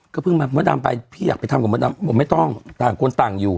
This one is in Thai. ก็เพิ่งมามดดำไปพี่อยากไปทำกับมดดำบอกไม่ต้องต่างคนต่างอยู่